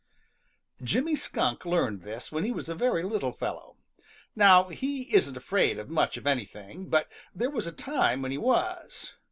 |JIMMY SKUNK learned this when he was a very little fellow. Now he isn't afraid of much of anything, but there was a time when he was.